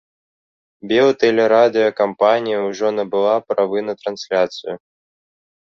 Белтэлерадыёкампанія ўжо набыла правы на трансляцыю.